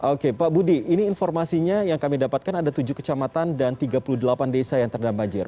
oke pak budi ini informasinya yang kami dapatkan ada tujuh kecamatan dan tiga puluh delapan desa yang terendam banjir